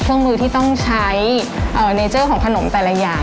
เครื่องมือที่ต้องใช้เนเจอร์ของขนมแต่ละอย่าง